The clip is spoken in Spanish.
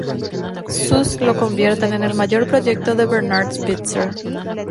Sus lo convierten en el mayor proyecto de Bernard Spitzer.